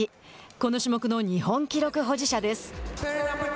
この種目の日本記録保持者です。